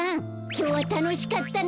きょうはたのしかったね。